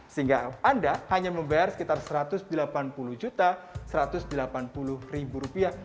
sehingga anda hanya membayar sekitar rp satu ratus delapan puluh satu ratus delapan puluh rupiah